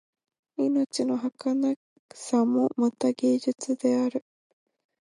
命のはかなさもまた芸術である